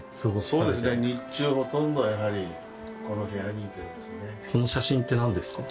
そうですね日中ほとんどやはりこの部屋にいてですね